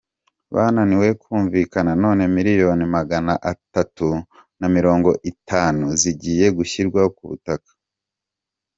Bananiwe kumvikana none miliyoni Magana atatu na mirongo itanu zigiye gushyirwa ku butaka